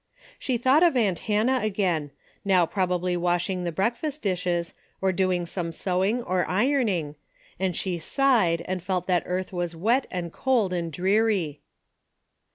She thought of aunt Hannah again, now probably washing the breakfast dishes, or doing some sewing or ironing, and she sighed and felt that earth was wet and cold and dreary.